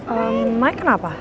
ehm maik kenapa